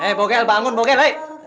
hei bokel bangun bokel